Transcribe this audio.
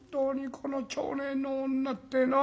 この町内の女ってえのは。